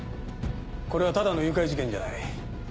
これはただの誘拐事件じゃない。